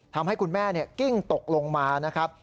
ทำให้คุณแม่กิ้งตกลงมานะครับ